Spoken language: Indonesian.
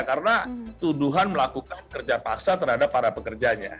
karena tuduhan melakukan kerja paksa terhadap para pekerjanya